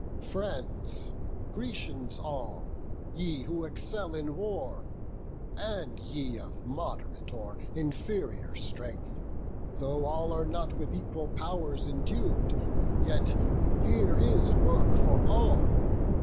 "Friends, Grecians all, ye who excel in war, And ye of mod'rate or inferior strength, Though all are not with equal pow'rs endued, Yet here is work for all!